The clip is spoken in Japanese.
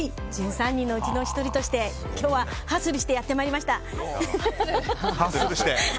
１３人のうちの１人として今日はハッスルしてやってまいりました！